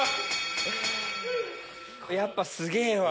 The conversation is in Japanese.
やっぱすげぇわ。